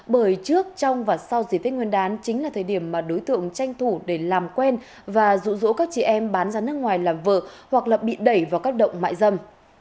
bởi trước trong và sau dịp tết nguyên đán chính là thời điểm mà đối tượng tranh thủ để làm quen và rụ rỗ các chị em bán ra nước ngoài làm vợ hoặc là bị đẩy vào các động mại dâm